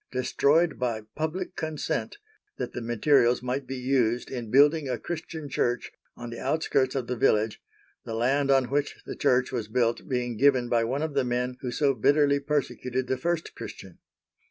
—destroyed by PUBLIC CONSENT that the materials might be used in building a Christian Church on the outskirts of the village, the land on which the Church was built being given by one of the men who so bitterly persecuted the first Christian.